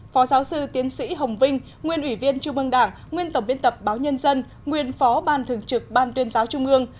phó giáo sư tiến sĩ hồng vinh nguyên ủy viên trung ương đảng nguyên tổng biên tập báo nhân dân nguyên phó ban thường trực ban tuyên giáo trung ương